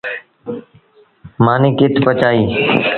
مآݩيٚ ڪٿ پڇائيٚݩ۔